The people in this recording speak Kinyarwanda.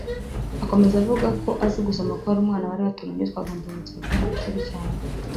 Akomeza avuga ko azi gusoma kuko hari umwana bari baturanye witwaga Ndungutse wakundaga ishuri cyane